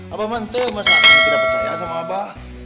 abah manteh masa aku tidak percaya sama abah